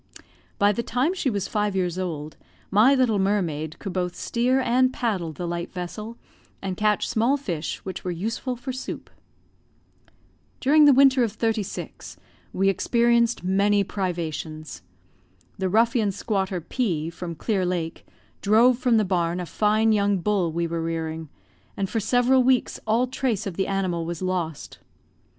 By the time she was five years old, my little mermaid could both steer and paddle the light vessel, and catch small fish, which were useful for soup. During the winter of '36, we experienced many privations. The ruffian squatter P , from Clear Lake, drove from the barn a fine young bull we were rearing, and for several weeks all trace of the animal was lost.